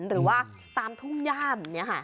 หรือว่าสามทุ่มย่ำ